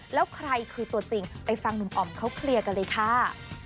แล้วใครคือตัวจริงไปฟังหนุ่มอ๋อมเขาเคลียร์กันเลยค่ะ